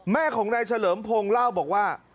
แม่ของนายเฉลิมพงศ์เล่าบอกว่า